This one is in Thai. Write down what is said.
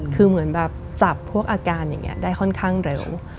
คือเหมือนแบบจับพวกอาการอย่างนี้ได้ค่อนข้างเร็ว